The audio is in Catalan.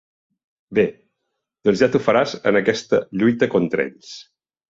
Bé, doncs ja t'ho faràs en aquesta lluita contra ells.